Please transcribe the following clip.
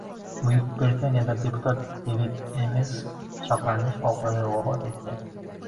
Buyuk Britaniyada deputat Devid Emess pichoqlanish oqibatida vafot etdi